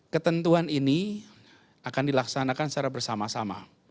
ketentuan ini akan dilaksanakan secara bersama sama